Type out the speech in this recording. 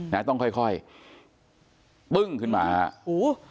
แต่ต้องค่อยค่อยขึ้นมาอู๋